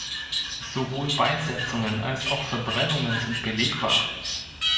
Sowohl Beisetzungen als auch Verbrennungen sind belegbar.